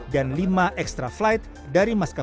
dan lima extra flight dari mas keperang